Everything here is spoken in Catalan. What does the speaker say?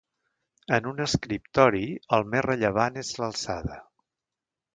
En un escriptori el més rellevant és l'alçada.